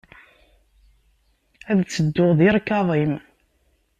Ad tedduɣ di ṛkaḍ-im.